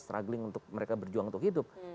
struggling untuk mereka berjuang untuk hidup